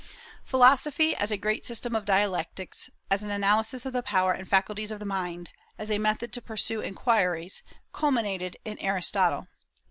Philosophy, as a great system of dialectics, as an analysis of the power and faculties of the mind, as a method to pursue inquiries, culminated in Aristotle.